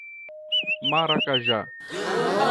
Maracajá